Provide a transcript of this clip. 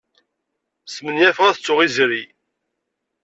Smenyafeɣ ad ttuɣ izri.